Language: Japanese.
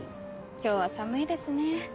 今日は寒いですね。